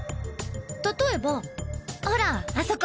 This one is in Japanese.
例えばホラあそこ。